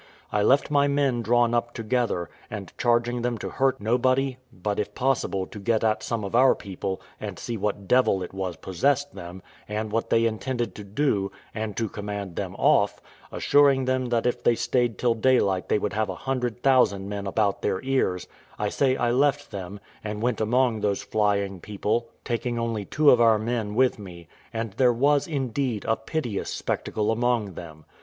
I left my men drawn up together, and, charging them to hurt nobody, but, if possible, to get at some of our people, and see what devil it was possessed them, and what they intended to do, and to command them off; assuring them that if they stayed till daylight they would have a hundred thousand men about their ears: I say I left them, and went among those flying people, taking only two of our men with me; and there was, indeed, a piteous spectacle among them.